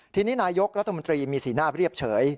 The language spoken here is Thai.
ทีนี้นายกรัฐมนตรีมีสีหน้าเรียบเฉย